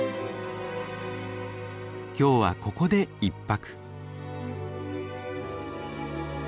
今日はここで１泊。